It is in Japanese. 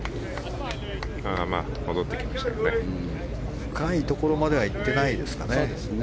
深いところまではいってないですかね。